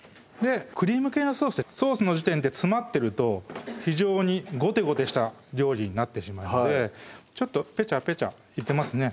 クリーム系のソースってソースの時点で詰まってると非常にゴテゴテした料理になってしまうのでちょっとペチャペチャいってますね